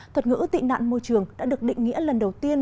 thuật ngữ tị nạn môi trường đã được định nghĩa lần đầu tiên